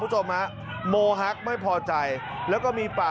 จริงจริงจริงจริง